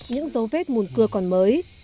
những dấu vết mùn cưa còn mới